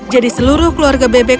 jadi seluruh keluarga bebek